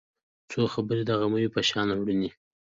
څو خبرې د غمیو په شان روڼې